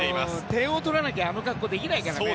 点を取らないとあの格好できないからね。